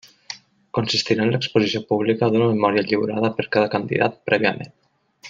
Consistirà en l'exposició pública d'una memòria lliurada per cada candidat prèviament.